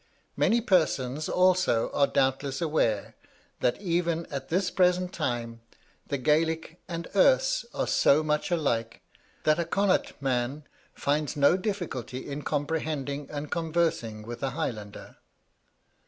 Many persons, also, are doubtless aware that, even at this present time, the Gaelic and Erse are so much alike, that a Connaught man finds no difficulty in comprehending and conversing with a Highlander.